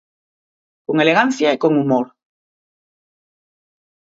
Con elegancia e con humor.